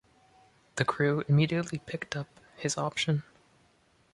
The Crew immediately picked up his option.